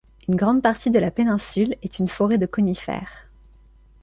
Une grande partie de la péninsule est une forêt de conifères.